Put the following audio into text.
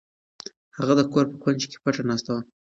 هغه د کور په کونج کې پټه ناسته وه.